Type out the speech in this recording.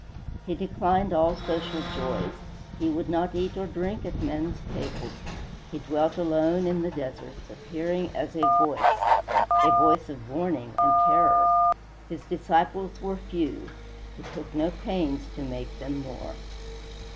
He declined all social joys; he would not eat or drink at men's tables; he dwelt alone in the deserts, appearing as a Voice a voice of warning and terror! His disciples were few; he took no pains to make them more.